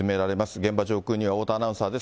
現場上空には大田アナウンサーです。